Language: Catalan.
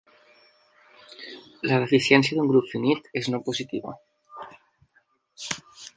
La deficiència d'un grup finit és no-positiva.